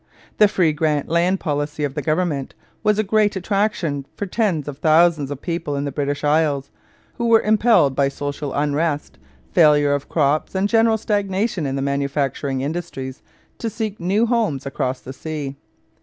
The free grant land policy of the government was a great attraction for tens of thousands of people in the British Isles, who were impelled by social unrest, failure of crops, and general stagnation in the manufacturing industries to seek new homes across the sea.